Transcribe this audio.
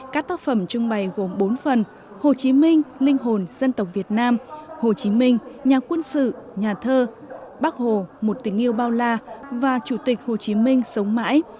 các tác phẩm trưng bày gồm bốn phần hồ chí minh linh hồn dân tộc việt nam hồ chí minh nhà quân sự nhà thơ bác hồ một tình yêu bao la và chủ tịch hồ chí minh sống mãi